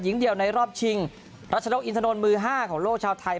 เดียวในรอบชิงรัชนกอินทนนท์มือ๕ของโลกชาวไทย